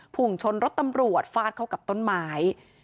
พุ่งชนรถตำรวจฟาดเข้ากับต้นไม้